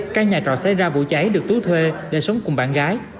các nhà trò xảy ra vụ cháy được tú thuê để sống cùng bạn gái